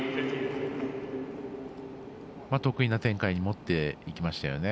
得意な展開に持っていきましたよね。